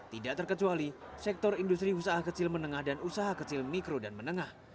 tidak terkecuali sektor industri usaha kecil menengah dan usaha kecil mikro dan menengah